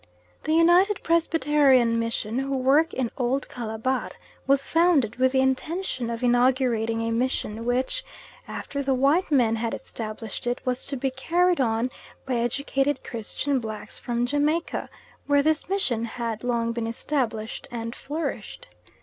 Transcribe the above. The United Presbyterian Mission who work in Old Calabar was founded with the intention of inaugurating a mission which, after the white men had established it, was to be carried on by educated Christian blacks from Jamaica, where this mission had long been established and flourished.